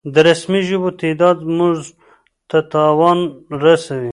د رسمي ژبو تعداد مونږ ته تاوان رسوي